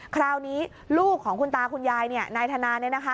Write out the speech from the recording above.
คราวนี้ลูกของคุณตาคุณยายนายธนาเนี่ยนะคะ